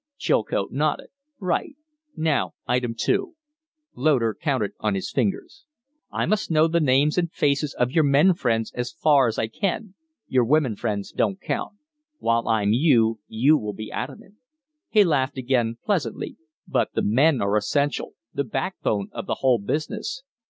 Chilcote nodded. "Right! Now item two." Loder counted on his: fingers. "I must know the names and faces of your men friends as far as I can. Your woman friends don't count. While I'm you, you will be adamant." He laughed again pleasantly. "But the men are essential the backbone of the whole business."